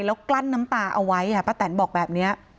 แล้วกลั้นน้ำตาเอาไว้ป้าแตนบอกแบบนี้